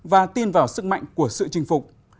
và tin vào sức mạnh của sự chinh phục